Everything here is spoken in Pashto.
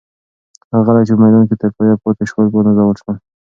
هغه خلک چې په میدان کې تر پایه پاتې شول، ونازول شول.